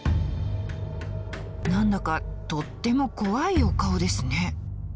何だかとっても怖いお顔ですね。